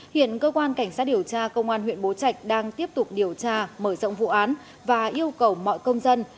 hiện cơ quan cảnh sát điều tra công an huyện bố trạch đang tiếp tục điều tra mở rộng vụ án và yêu cầu mọi công dân